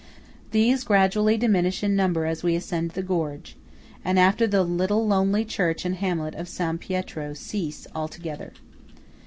These gradually diminish in number as we ascend the gorge, and after the little lonely church and hamlet of San Pietro, cease altogether.